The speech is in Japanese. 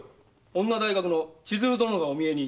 ・女大学の千鶴殿がお見えに。